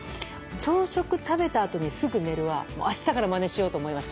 朝食を食べた後すぐ寝るは明日から真似しようと思います。